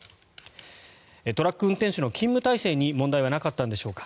トラック運転手の勤務体制に問題はなかったんでしょうか。